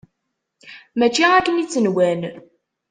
Mačči akken i tt-nwan.